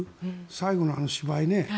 最後の、あの芝居ね